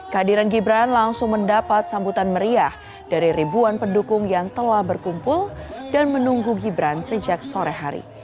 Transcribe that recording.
kehadiran gibran langsung mendapat sambutan meriah dari ribuan pendukung yang telah berkumpul dan menunggu gibran sejak sore hari